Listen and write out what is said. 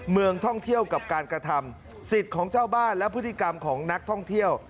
เมืองท่องเที่ยวกับการกระทำสิทธิ์ของเจ้าบ้านและพฤติกรรมของนักท่องเที่ยว